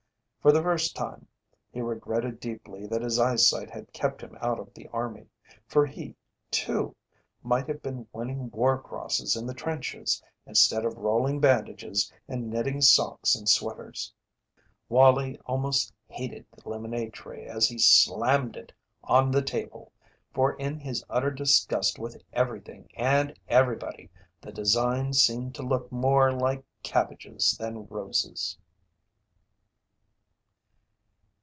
For the first time he regretted deeply that his eyesight had kept him out of the army, for he, too, might have been winning war crosses in the trenches instead of rolling bandages and knitting socks and sweaters. Wallie almost hated the lemonade tray as he slammed it on the table, for in his utter disgust with everything and everybody the design seemed to look more like cabbages than roses.